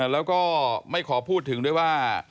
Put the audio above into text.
แล้วก็ไม่ขอพูดถึงด้วยว่า